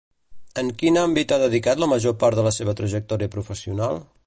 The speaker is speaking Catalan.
En quin àmbit ha dedicat la major part de la seva trajectòria professional?